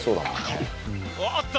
おっと！